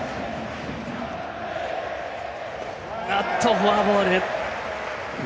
フォアボール。